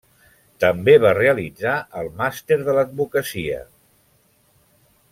També va realitzar el màster de l'advocacia.